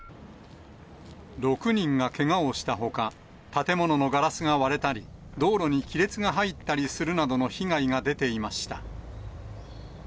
６人がけがをしたほか、建物のガラスが割れたり、道路に亀裂が入ったりするなどの被害が出ていました。